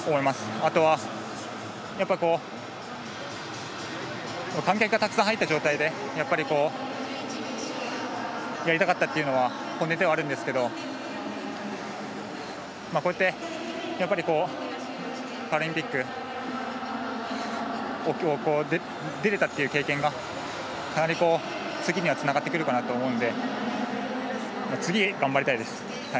あとは観客がたくさん入った状態でやりたかったというのは本音ではあるんですけどこうやって、パラリンピックに出れたっていう経験がかなり次にはつながってくるかなと思うので次、頑張りたいです。